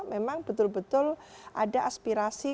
memang betul betul ada aspirasi